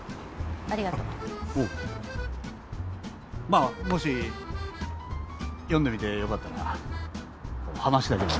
まあもし読んでみてよかったら話だけでも。